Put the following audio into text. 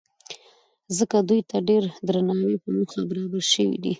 ځکه دوی ته د ډېر درناوۍ په موخه برابر شوي دي.